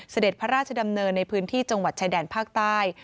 เสด็จพระราชดำเนินในพื้นที่จังหวัดชายแดนภาคใต้